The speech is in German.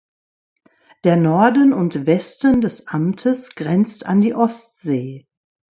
Der Norden und Westen des Amtes grenzt an die Ostsee.